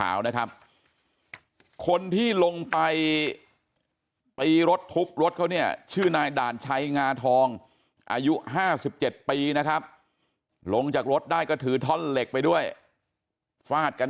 อายุห้าสิบเจ็ดปีนะครับลงจากรถได้ก็ถือทอนเหล็กไปด้วยฟาดกัน